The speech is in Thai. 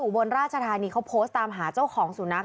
บนราชธานีเขาโพสต์ตามหาเจ้าของสุนัข